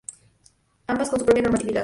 Ambas con su propia normatividad.